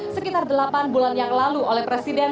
sekitar delapan bulan yang lalu oleh presiden